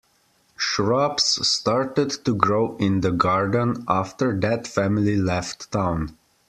Shrubs started to grow in the garden after that family left town.